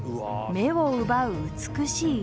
目を奪う美しい石組み。